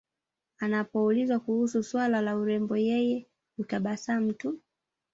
Anapoulizwa kuhusu swala la urembo yeye hutabasamu tu